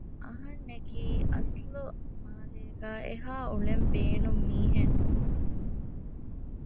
އަހަރެންންނަކީ އަސްލު މާލޭގައި އެހާ އުޅެން ބޭނުން މީހެއް ނޫން